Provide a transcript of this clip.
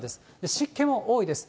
湿気も多いです。